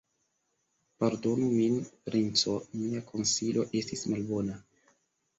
Pardonu min, princo: Mia konsilo estis malbona.